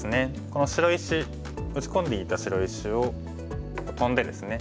この白石打ち込んでいた白石をトンでですね